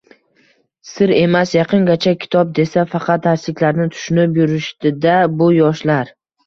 Sir emas, yaqingacha kitob desa, faqat darsliklarni tushunib yurishdi-da bu yoshlar.